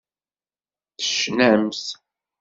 Tecnamt.